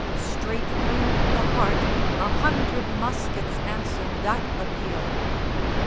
Straight through the heart A hundred muskets answered that appeal.